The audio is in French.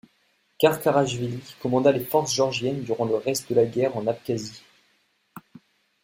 Karkarachvili commanda les forces géorgiennes durant le reste de la guerre en Abkhazie.